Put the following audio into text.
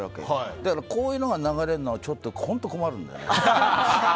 だからこういうのが流れるのは本当に困るんだよね。